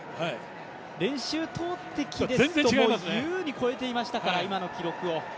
練習投てきですと優に超えていましたから、今の記録を。